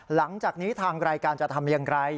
หลังจากนี้ทางรายการจะทำอย่างไร